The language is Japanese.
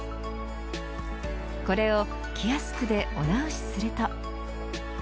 これをキヤスクでお直しすると。